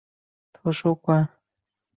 两河在须水镇大榆林村交汇。